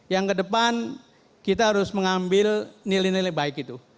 yang kedepan kita harus mengambil nilai nilai baik itu